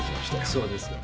そうですか。